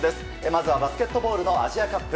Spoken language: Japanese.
まずはバスケットボールのアジアカップ。